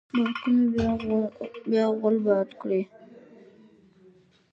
بر کلي بیا غول باد کړی.